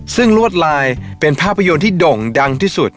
ซึ่งลวดลายเป็นภาพยนตร์ที่โด่งดังที่สุด